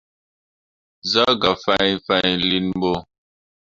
Zah gah fãi fãi linɓo.